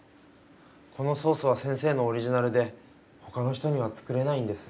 このソースは先生のオリジナルでほかの人には作れないんです。